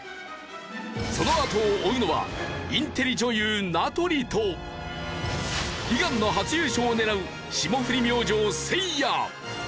そのあとを追うのはインテリ女優名取と悲願の初優勝を狙う霜降り明星せいや。